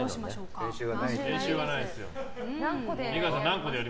練習はないです。